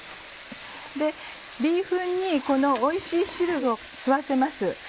ビーフンにこのおいしい汁を吸わせます。